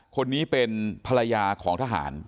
คนนี้เป็นภรรยาของทหาร